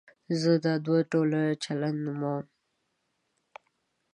زه دا دوه ډوله چلند نوموم.